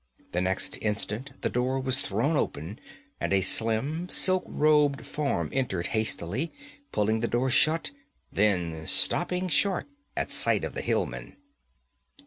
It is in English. The next instant the door was thrown open and a slim, silk robed form entered hastily, pulling the door shut then stopping short at sight of the hillman.